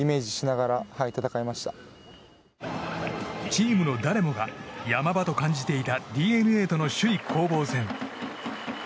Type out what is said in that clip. チームの誰もが山場と感じていたＤｅＮＡとの首位攻防戦。